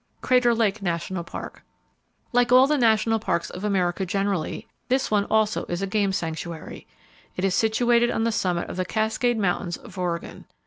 Crater Lake National Park. —Like all the National Parks of America generally, this one also is a game sanctuary. It is situated on the summit of the Cascade Mountains of Oregon.